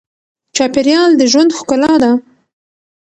چاپېریال د ژوند ښکلا ده.